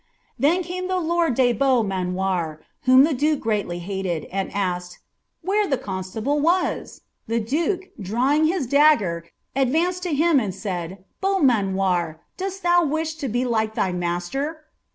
Then came the lord de Beaumanoir, whom the duke greatly hMi. and naked, " Where ihe constable was ?'' The duke, driving liii ih^ ger, adranced lo him and said, " fieauiunnoir, dosi thou wish to be At ihy master?"